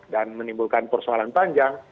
dan menimbulkan persoalan panjang